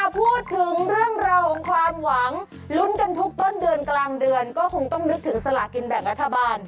พูดถึงเรื่องราวของความหวังลุ้นกันทุกต้นเดือนกลางเดือนก็คงต้องนึกถึงสลากินแบ่งรัฐบาล